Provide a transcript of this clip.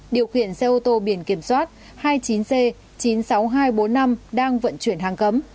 điều khiển xe ô tô biển kiểm soát hai mươi chín c chín mươi sáu nghìn hai trăm bốn mươi năm đang vận chuyển hàng cấm